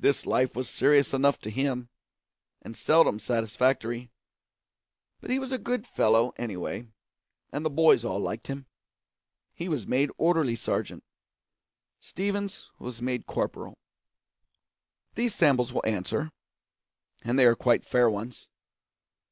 This life was serious enough to him, and seldom satisfactory. But he was a good fellow, anyway, and the boys all liked him. He was made orderly sergeant; Stevens was made corporal. These samples will answer and they are quite fair ones.